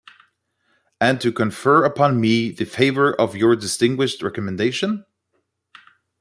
And to confer upon me the favour of your distinguished recommendation?